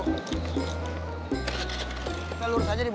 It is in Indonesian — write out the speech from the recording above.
kita lurus aja deh